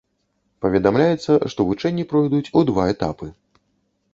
Паведамляецца, што вучэнні пройдуць у два этапы.